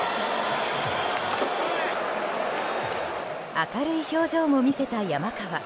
明るい表情も見せた山川。